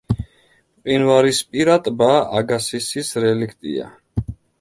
მყინვარისპირა ტბა აგასისის რელიქტია.